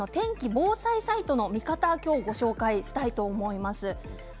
・防災サイトの見方を今日ご紹介したいと思います。